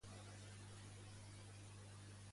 Quin és el nom complet de Madola?